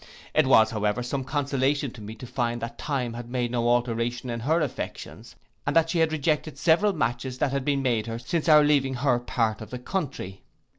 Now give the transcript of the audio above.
It was, however, some consolation to me to find that time had made no alteration in her affections, and that she had rejected several matches that had been made her since our leaving her part of the country.